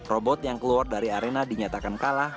robot yang keluar dari arena dinyatakan kalah